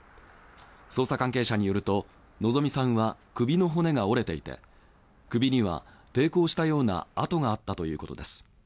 捜査関係者によると希美さんは首の骨が折れていて首には抵抗したような痕があったということです。